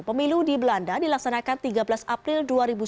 pemilu di belanda dilaksanakan tiga belas april dua ribu sembilan belas